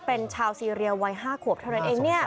เป็นชาวซีเรียวัย๕ขวบเท่านั้นเอง